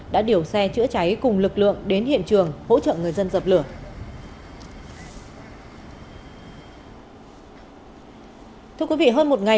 đã điều xe chữa cháy cùng lực lượng đến hiện trường hỗ trợ người dân dập lửa